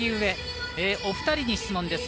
お二人に質問です。